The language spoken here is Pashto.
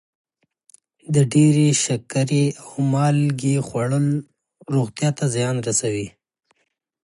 د ډېرې شکرې او مالګې خوړل روغتیا ته زیان رسوي.